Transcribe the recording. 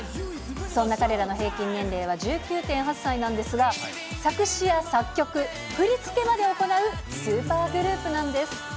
そんな彼らの平均年齢は１９．８歳なんですが、作詞や作曲、振り付けまで行うスーパーグループなんです。